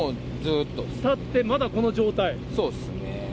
たって、まだこの状態？